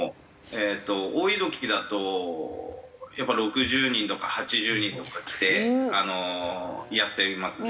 えっと多い時だとやっぱり６０人とか８０人とか来てやっていますね。